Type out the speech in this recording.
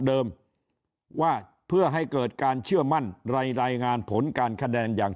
เดิมว่าเพื่อให้เกิดการเชื่อมั่นในรายงานผลการคะแนนอย่าง